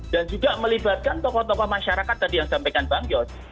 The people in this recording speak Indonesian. dan juga melibatkan tokoh tokoh masyarakat tadi yang disampaikan bang yos